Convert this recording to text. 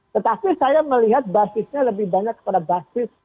tetapi saya melihat basisnya lebih banyak kepada basis